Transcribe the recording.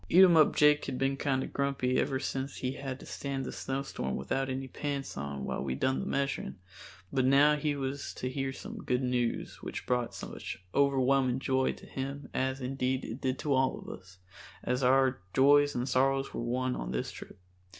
Eatumup Jake had been kinder grumpy ever since he had to stand the snowstorm without any pants on while we done the measuring, but now he was to hear some good news which brought such overwhelming joy to him as, indeed, it did to all of us, as our joys and sorrows were one on this trip.